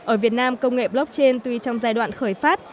ở việt nam công nghệ blockchain tuy trong giai đoạn khởi phát